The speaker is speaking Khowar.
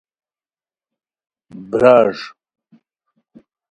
براݱ